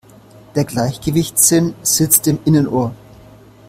Der Gleichgewichtssinn sitzt im Innenohr.